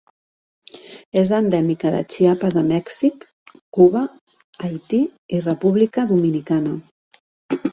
És endèmica de Chiapas a Mèxic, Cuba, Haití i República Dominicana.